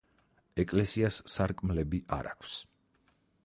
ეკლესიას სარკმლები არ აქვს.